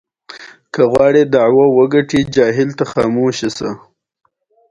زه د پاییز پاڼې خوښوم.